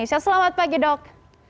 selamat pagi dok